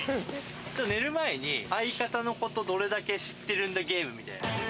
寝る前に、相方のこと、どれだけ知っているんだゲームみたいな。